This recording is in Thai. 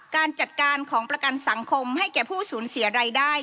การจัดการของประกันสังคมให้แก่ผู้สูญเสียรายได้